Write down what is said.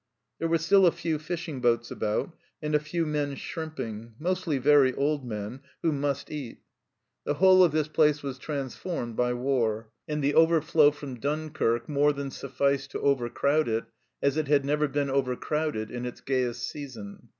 There were still a few fishing boats about, and a few men shrimping, mostly very old men, who "must eat." THE RETREAT 53 The whole of this place was transformed by war, and the overflow from Dunkirk more than sufficed to overcrowd it as it had never been overcrowded in its gayest season.